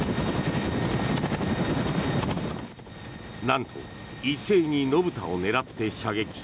なんと一斉に野豚を狙って射撃。